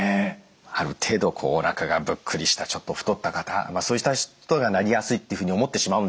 ある程度おなかがぶっくりしたちょっと太った方そういった人がなりやすいと思ってしまうんですが。